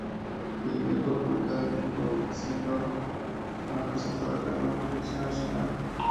El video fue publicado en YouTube, haciendo con que el presentador ganó proyección nacional.